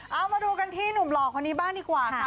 เอามาดูกันที่หนุ่มหล่อคนนี้บ้างดีกว่าค่ะ